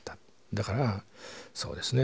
だからそうですね